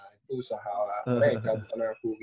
nah itu usaha mereka bukan aku